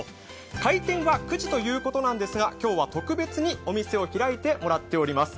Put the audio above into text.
開店が９時ということですが、今日は特別にお店を開いてもらっています。